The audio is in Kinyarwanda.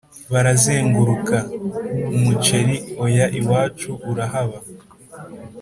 barazenguruka: a)umuceri , oya iwacu urahaba